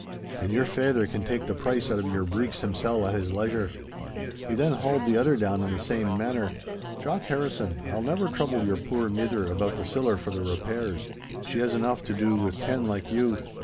And your faither can take the price out of your breeks himsel' at his leisure.' He then hauled the other down in the same manner. 'Jock Harrison, I'll never trouble your puir mither about the siller for the repairs. She has enough to do with ten like you.